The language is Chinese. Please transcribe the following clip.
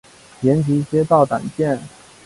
延吉街道党建